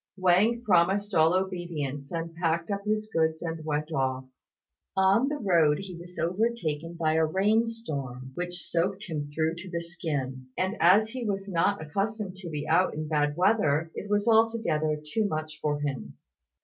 Wang promised all obedience, and packed up his goods and went off. On the road he was overtaken by a rain storm which soaked him through to the skin; and as he was not accustomed to be out in bad weather, it was altogether too much for him.